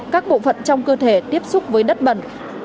các bộ phận trong cơ thể tiếp xúc với đất bẩn